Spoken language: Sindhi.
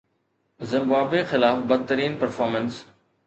زمبابوي خلاف بدترين پرفارمنس